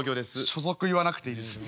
所属言わなくていいです。